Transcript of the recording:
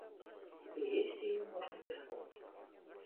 Есць яе можна бясконца.